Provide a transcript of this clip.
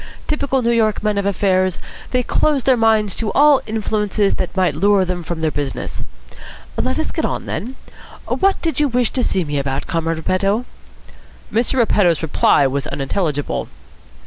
Typical New York men of affairs, they close their minds to all influences that might lure them from their business. Let us get on, then. What did you wish to see me about, Comrade Repetto?" Mr. Repetto's reply was unintelligible. Mr.